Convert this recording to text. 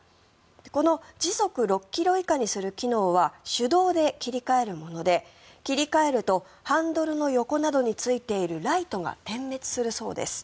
この時速６ｋｍ以下にする機能は手動で切り替えるもので切り替えるとハンドルの横などについているライトが点滅するそうです。